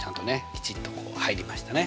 きちっとこう入りましたね。